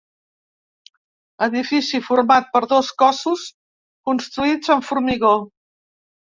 Edifici format per dos cossos construïts en formigó.